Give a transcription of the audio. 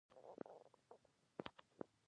له چای سره ستړیا نشته.